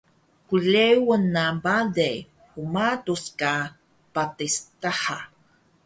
qlengun na bale hmaduc ka patis daha